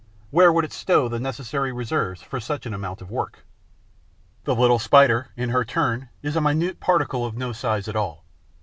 Where would it stow the necessary reserves for such an amount of work? The little Spider, in her turn, is a minute particle of no size at all.